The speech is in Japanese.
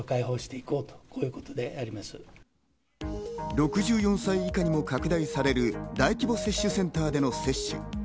６４歳以下にも拡大される大規模接種センターでの接種。